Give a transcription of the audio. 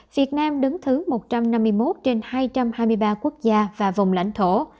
việt nam đứng thứ một trăm năm mươi một trên hai trăm hai mươi ba quốc gia và vùng lãnh thổ